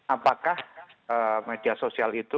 apakah media sosial itu